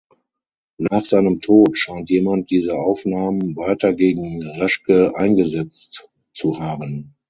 Nach seinem Tod scheint jemand diese Aufnahmen weiter gegen Reschke eingesetzt zu haben.